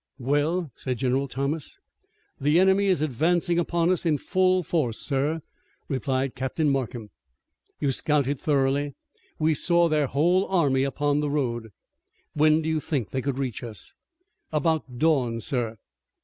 "Well?" said General Thomas. "The enemy is advancing upon us in full force, sir," replied Captain Markham. "You scouted thoroughly?" "We saw their whole army upon the road." "When do you think they could reach us?" "About dawn, sir."